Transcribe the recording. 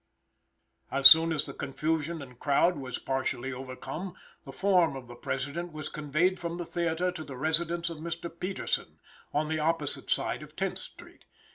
As soon as the confusion and crowd was partially overcome, the form of the President was conveyed from the theater to the residence of Mr. Peterson, on the opposite side of Tenth street.